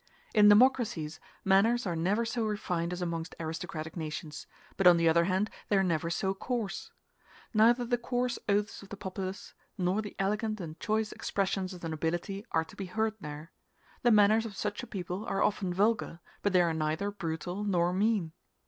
In democracies manners are never so refined as amongst aristocratic nations, but on the other hand they are never so coarse. Neither the coarse oaths of the populace, nor the elegant and choice expressions of the nobility are to be heard there: the manners of such a people are often vulgar, but they are neither brutal nor mean.